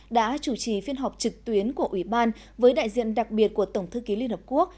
đã chủ trì phiên họp trực tuyến của ủy ban với đại diện đặc biệt của tổng thư ký liên hợp quốc